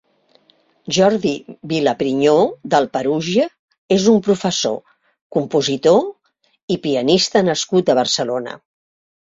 Jordi Vilaprinyó Del Perugia és un professor, compositor i i pianista nascut a Barcelona.